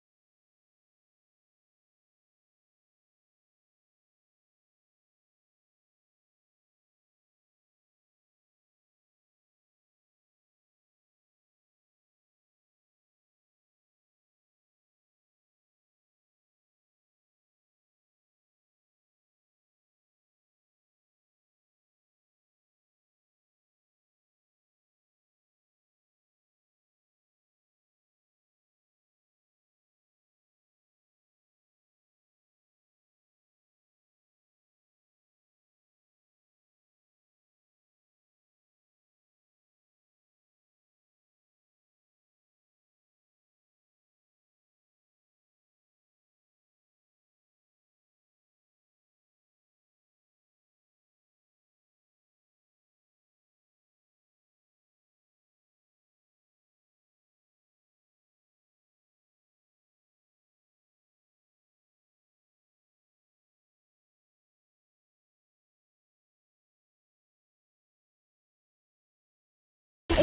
kita mau langsung balik aja bu